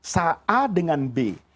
sa'a dengan be